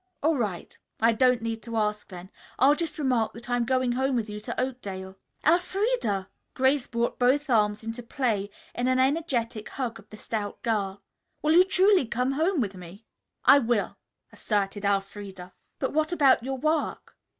"All right. I don't need to ask, then. I'll just remark that I'm going home with you to Oakdale." "Elfreda!" Grace brought both arms into play in an energetic hug of the stout girl. "Will you truly come home with me!" "I will," asserted Elfreda. "But what about your work?"